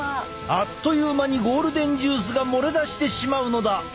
あっという間にゴールデンジュースが漏れ出してしまうのだ！